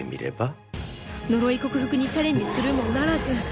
呪い克服にチャレンジするもならず